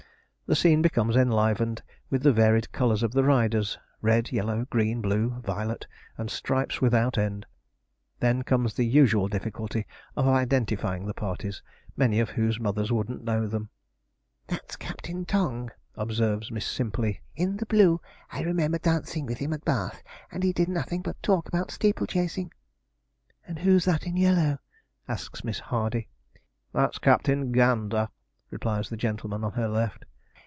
The scene becomes enlivened with the varied colours of the riders red, yellow, green, blue, violet, and stripes without end. Then comes the usual difficulty of identifying the parties, many of whose mothers wouldn't know them. 'That's Captain Tongs,' observes Miss Simperley, 'in the blue. I remember dancing with him at Bath, and he did nothing but talk about steeple chasing.' 'And who's that in yellow?' asks Miss Hardy. 'That's Captain Gander,' replies the gentleman on her left.